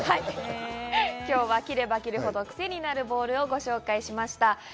今日は切れば切るほどクセになるボールをご紹介しました。